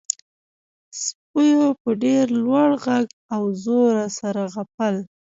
سپیو په ډیر لوړ غږ او زور سره غپل